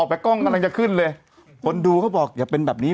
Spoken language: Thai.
เกรงข้อสอบอะใช่อะไรอย่างนี้